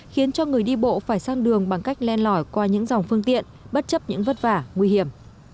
khiến cho người đi bộ phải sang đường bằng cách len lỏi qua những dòng phương tiện bất chấp những vất vả nguy hiểm